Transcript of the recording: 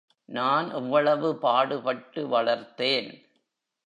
நான் எவ்வளவு பாடுபட்டு வளர்த்தேன்!